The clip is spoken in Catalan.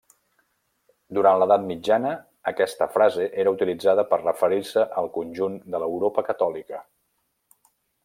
Durant l'edat mitjana aquesta frase era utilitzada per referir-se al conjunt de l'Europa catòlica.